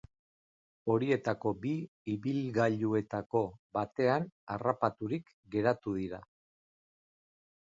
Horietako bi ibilgailuetako batean harrapaturik geratu dira.